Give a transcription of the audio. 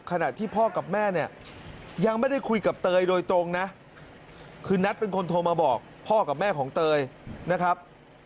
ขณะที่พ่อกับแม่เนี่ยยังไม่ได้คุยกับเตยโดยตรงนะคือนัทเป็นคนโทรมาบอกพ่อกับแม่ของเตยนะครับ